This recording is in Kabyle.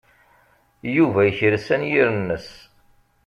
Yuba yekres anyir-nnes.